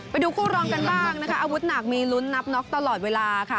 ไปดูคู่รองกันบ้างนะคะอาวุธหนักมีลุ้นนับน็อกตลอดเวลาค่ะ